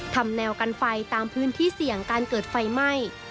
ทำแนวกันไฟตามพื้นที่เสี่ยงการเกิดไฟไหม้